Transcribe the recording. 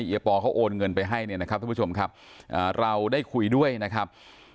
ปอเขาโอนเงินไปให้เนี่ยนะครับทุกผู้ชมครับเราได้คุยด้วยนะครับ